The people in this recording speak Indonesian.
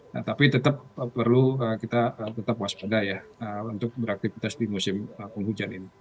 nah tapi tetap perlu kita tetap waspada ya untuk beraktivitas di musim penghujan ini